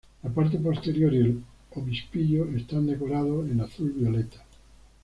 La parte posterior y el obispillo están decorados en azul violeta.